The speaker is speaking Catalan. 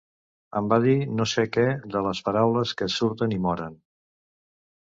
Em va dir no sé què de les paraules que surten i moren.